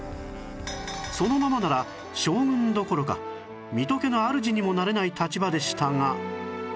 そのままなら将軍どころか水戸家のあるじにもなれない立場でしたが